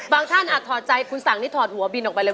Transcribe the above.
ท่านอาจถอดใจคุณสั่งนี้ถอดหัวบินออกไปเลย